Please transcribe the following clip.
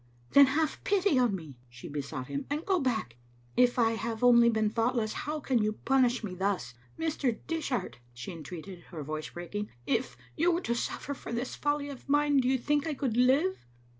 " Then have pity on me," she besought him, " and go back. If I have only been thoughtless, how can you punish me thus? Mr. Dishart," she entreated, her voice breaking, " if you were to suffer for this folly of mine, do you think I could live?"